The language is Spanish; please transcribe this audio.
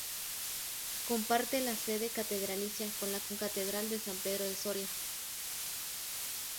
Comparte la sede catedralicia con la Concatedral de San Pedro de Soria.